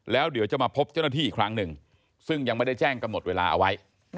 แล้วเดี๋ยวจะมาพบเจ้าหน้าที่อีกครั้งหนึ่งซึ่งยังไม่ได้แจ้งกำหนดเวลาเอาไว้